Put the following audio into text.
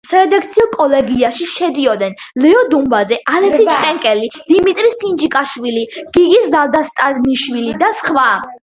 სარედაქციო კოლეგიაში შედიოდნენ: ლეო დუმბაძე, ალექსი ჩხენკელი, დიმიტრი სინჯიკაშვილი, გივი ზალდასტანიშვილი და სხვა.